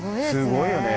すごいよね。